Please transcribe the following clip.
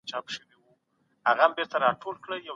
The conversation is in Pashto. زه نن ناروغ يم